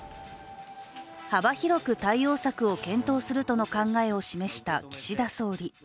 幅広く対応策を検討するとの考えを示した岸田総理。